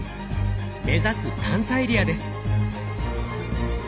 目指す探査エリアです。